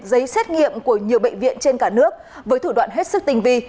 dây xét nghiệm của nhiều bệnh viện trên cả nước với thủ đoạn hết sức tình vi